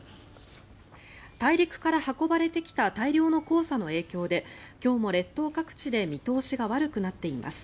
大陸から運ばれてきた大量の黄砂の影響で今日も列島各地で見通しが悪くなっています。